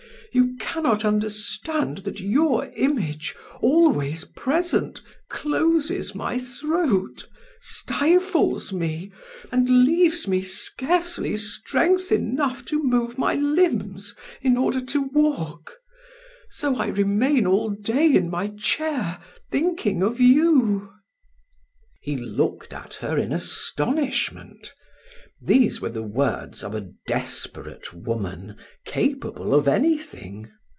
You cannot understand that your image, always present, closes my throat, stifles me, and leaves me scarcely strength enough to move my limbs in order to walk. So I remain all day in my chair thinking of you." He looked at her in astonishment. These were the words of a desperate woman, capable of anything.